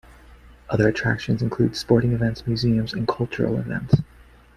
Other attractions include sporting events, museums, and cultural events.